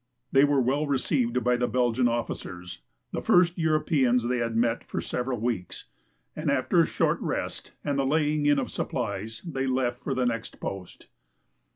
They were well received by the Belgian officers, the first Europeans they had met for several weeks, and after a short rest and the laying in of supplies they left for the next post.